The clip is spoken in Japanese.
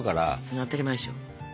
当たり前でしょ。